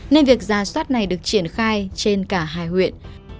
nên việc ra soát này được triển khai trên cả hai huyện